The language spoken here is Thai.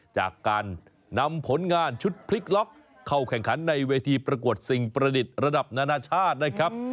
จากการนำผลงานชุดพลิกล็อกเข้าแข่งขันในเวทีประกวดสิ่งประดิษฐ์ระดับนานาชาตินะครับ